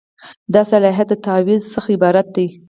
دا د صلاحیت د تعویض څخه عبارت دی.